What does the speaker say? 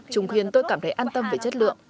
trung khiến tôi cảm thấy an tâm về chất lượng